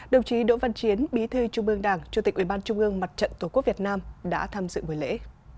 đồng chí đỗ văn chiến bí thư trung ương đảng chủ tịch ubnd mặt trận tổ quốc việt nam đã tham dự buổi lễ